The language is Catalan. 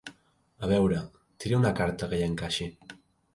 A veure, tiri una carta que hi encaixi.